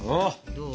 どう？